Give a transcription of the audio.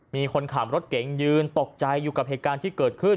มีคนขับรถเก๋งยืนตกใจอยู่กับเหตุการณ์ที่เกิดขึ้น